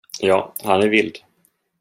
Ja, han är vild.